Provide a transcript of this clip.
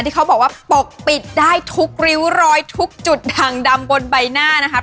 เขาบอกว่าปกปิดได้ทุกริ้วรอยทุกจุดดังดำบนใบหน้านะครับ